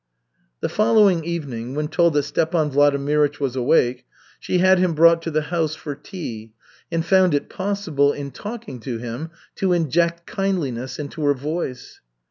The following evening, when told that Stepan Vladimirych was awake, she had him brought to the house for tea and found it possible, in talking to him, to inject kindliness into her voice.